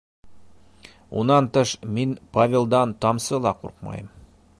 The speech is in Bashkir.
Унан тыш, мин Павелдан тамсы ла ҡурҡмайым.